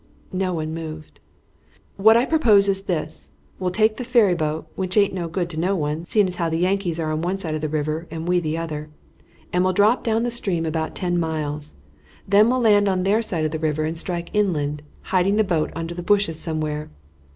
No one moved. "What I propose is this: we'll take the ferryboat, which aint no good to no one, seeing as how the Yankees are on one side of the river and we the other, and we'll drop down the stream about ten mile. Then we'll land on their side of the river and strike inland, hiding the boat under the bushes somewhere.